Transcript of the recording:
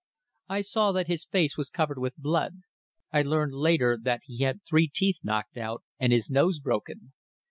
I saw that his face was covered with blood; I learned later that he had three teeth knocked out, and his nose broken.